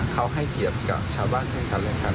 เขาให้เกียรติกับชาวบ้านเช่นกันและกัน